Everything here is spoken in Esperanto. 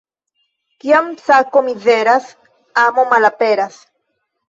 Kiam sako mizeras, amo malaperas.